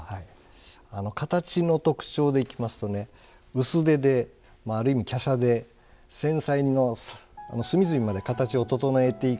形の特徴でいきますとね薄手である意味きゃしゃで繊細の隅々まで形を整えていくという仕事が多いです。